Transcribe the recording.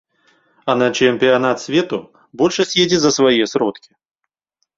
А на чэмпіянат свету большасць едзе за свае сродкі.